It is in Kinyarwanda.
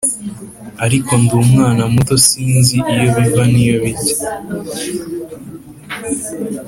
ariko ndi umwana muto sinzi iyo biva n’iyo bijya